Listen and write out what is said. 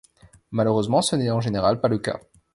Malheureusement, ce n'est en général pas le cas.